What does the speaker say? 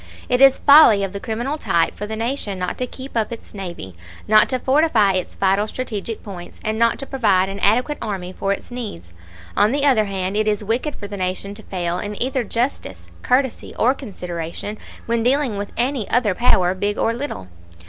It is folly of the criminal type for the Nation not to keep up its navy, not to fortify its vital strategic points, and not to provide an adequate army for its needs. On the other hand, it is wicked for the Nation to fail in either justice, courtesy, or consideration when dealing with any other power, big or little.